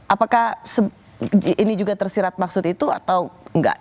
apakah ini juga tersirat maksud itu atau enggak